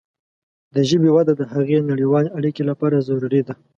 د ژبې وده د هغې د نړیوالې اړیکې لپاره ضروري ده.